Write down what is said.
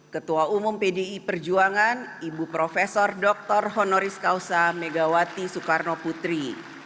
ketua umum pdi perjuangan ibu prof dr honoris causa megawati soekarno putri